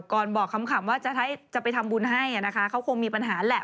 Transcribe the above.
ก่อนบอกคำว่าจะไปทำบุญให้นะคะเขาคงมีปัญหาแหละ